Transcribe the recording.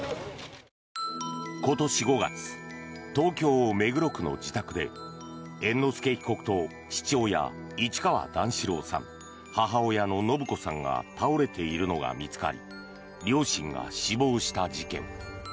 今年５月東京・目黒区の自宅で猿之助被告と父親・市川段四郎さん母親の延子さんが倒れているのが見つかり両親が死亡した事件。